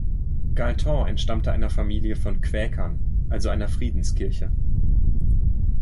Galton entstammte einer Familie von Quäkern, also einer Friedenskirche.